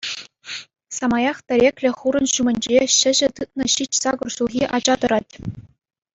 Самаях тӗреклӗ хурӑн ҫумӗнче çĕçĕ тытнӑ ҫич-сакӑр ҫулхи ача тӑрать.